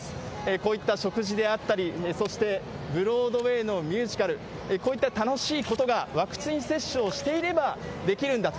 こういった食事であったり、そしてブロードウェイのミュージカル、こういった楽しいことが、ワクチン接種をしていればできるんだと。